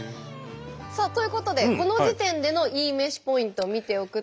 さあということでこの時点でのいいめしポイントを見ておくと。